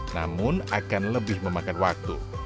namun akan lebih memakan waktu